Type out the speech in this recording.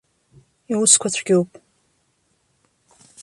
Иусқәа цәгьоуп.